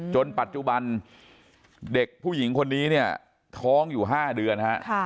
จนปัจจุบันเด็กผู้หญิงคนนี้เนี่ยท้องอยู่๕เดือนฮะ